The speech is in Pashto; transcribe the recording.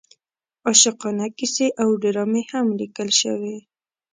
عاشقانه کیسې او ډرامې هم لیکل شوې.